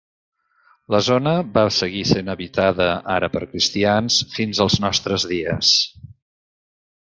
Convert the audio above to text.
La zona va seguir essent habitada, ara per cristians, fins als nostres dies.